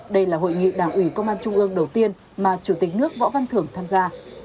đây là hội nghị đảng ủy công an trung ương đầu tiên mà chủ tịch nước võ văn thưởng tham gia